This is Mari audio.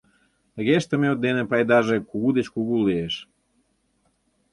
Тыге ыштыме дене пайдаже кугу деч кугу лиеш.